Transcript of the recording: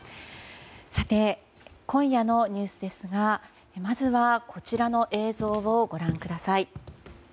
さて、今夜のニュースですがまずはこちらの映像をご覧ください。